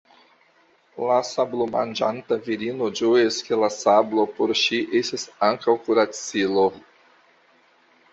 La sablomanĝanta virino ĝojas, ke la sablo por ŝi estas ankaŭ kuracilo.